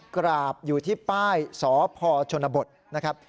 กราบอยู่ที่ป้ายสพชนบทนะครับ